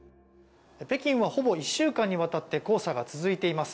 北京はほぼ１週間にわたって黄砂が続いています。